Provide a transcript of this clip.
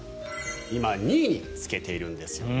今２位につけているんですよね。